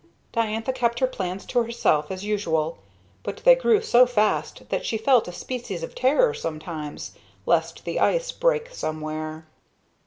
Diantha kept her plans to herself, as usual, but they grew so fast that she felt a species of terror sometimes, lest the ice break somewhere.